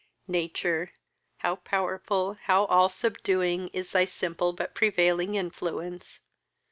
Nature, how powerful, how all subduing, is thy simple but prevailing influence!